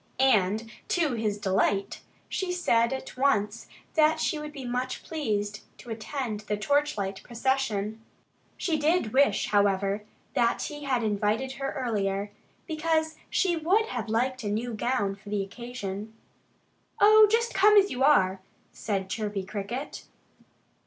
And to his delight, she said at once that she would be much pleased to attend the torchlight procession. She did wish, however, that he had invited her earlier, because she would have liked a new gown for the occasion. "Oh, come just as you are!" said Chirpy Cricket.